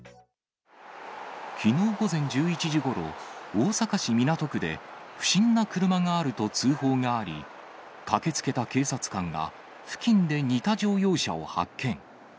きのう午前１１時ごろ、大阪市港区で、不審な車があると通報があり、駆けつけた警察官が付近で似た乗用車を発見。